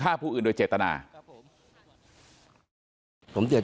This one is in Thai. ตลอดทั้งคืนตลอดทั้งคืน